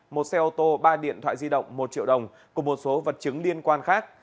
một xe ô tô ba điện thoại di động một triệu đồng cùng một số vật chứng liên quan khác